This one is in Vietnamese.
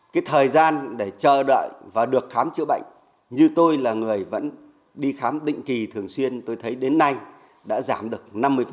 cái thời gian để chờ đợi và được khám chữa bệnh như tôi là người vẫn đi khám định kỳ thường xuyên tôi thấy đến nay đã giảm được năm mươi